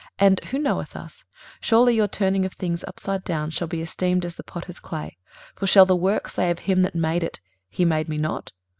and who knoweth us? 23:029:016 Surely your turning of things upside down shall be esteemed as the potter's clay: for shall the work say of him that made it, He made me not?